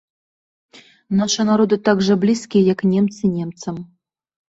Нашы народы так жа блізкія, як немцы немцам.